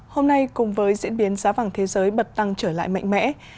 hôm nay cùng với diễn biến giá vàng thế giới bật tăng trở lại mạnh mẽ